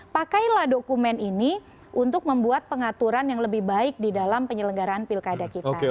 pakailah dokumen ini untuk membuat pengaturan yang lebih baik di dalam penyelenggaraan pilkada kita